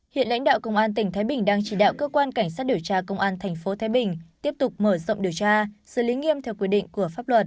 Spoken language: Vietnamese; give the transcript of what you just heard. hiện lãnh đạo công an tỉnh thái bình đang chỉ đạo cơ quan cảnh sát điều tra công an tp thái bình tiếp tục mở rộng điều tra xử lý nghiêm theo quy định của pháp luật